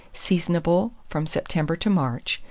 Seasonable from September to March.